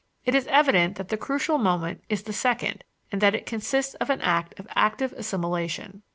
It is evident that the crucial moment is the second, and that it consists of an act of active assimilation.